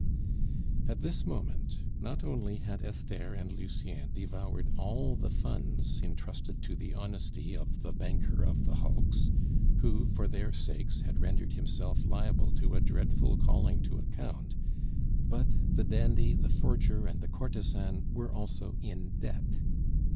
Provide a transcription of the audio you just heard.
At this moment not only had Esther and Lucien devoured all the funds intrusted to the honesty of the banker of the hulks, who, for their sakes, had rendered himself liable to a dreadful calling to account, but the dandy, the forger, and the courtesan were also in debt.